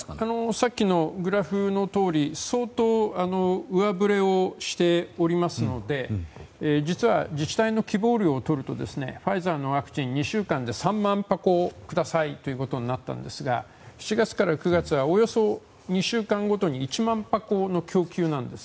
さっきのグラフのとおり相当、上振れをしておりますので実は自治体の希望量をとるとファイザーのワクチン２週間で３万箱くださいということになったんですが７月から９月はおよそ２週間ごとに１万箱の供給なんです。